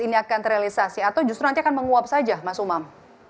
ini akan terrealisasi atau justru nanti akan menguap saja mas umam